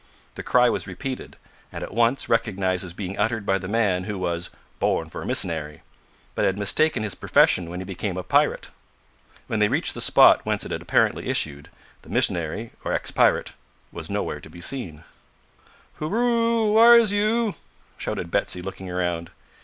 The cry was repeated, and at once recognised as being uttered by the man who was "born for a mis'nary," but had mistaken his profession when he became a pirate! When they reached the spot whence it had apparently issued, the mis'nary, or ex pirate, was nowhere to be seen. "Hooroo! whar' is you?" shouted Betsy, looking round.